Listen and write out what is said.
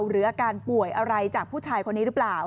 หรืออาการป่วยอะไรจากผู้ชายคนนี้หรือเปล่า